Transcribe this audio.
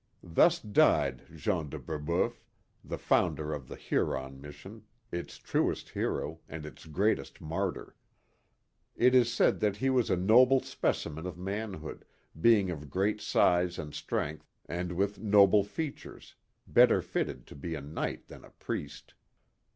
Thus died Jean de Brebeuf, the founder of the Huron mis sion, its truest hero, and its greatest martyr. It is said that he was a noble specimen of manhood, being of great size and strength, and with noble features, better fitted to be a knight than a priest.